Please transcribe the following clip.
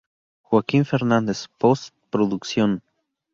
Joaquín Fernández: Post Producción.